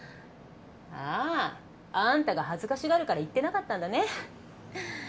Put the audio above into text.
ああんたが恥ずかしがるから言ってなかったんだね。